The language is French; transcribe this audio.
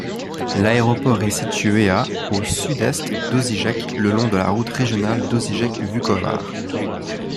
L’aéroport est situé à au sud-est d'Osijek le long de la route régionale Osijek-Vukovar.